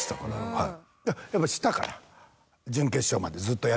はい。